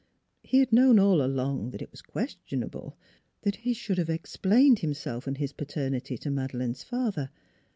He had known all along that it was ques tionable; that he should have explained himself and his paternity to Madeleine's father.